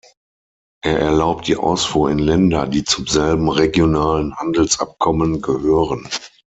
Er erlaubt die Ausfuhr in Länder, die zum selben regionalen Handelsabkommen gehören.